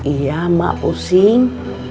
iya mak pusing